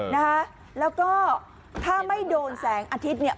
นะคะแล้วก็ถ้าไม่โดนแสงอาทิตย์เนี่ย